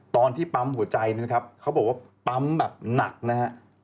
ตอนที่ปั๊มหัวใจนะครับเขาบอกว่าปั๊มแบบหนักนะฮะ